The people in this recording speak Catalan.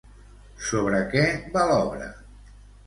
Sobre què va l'obra?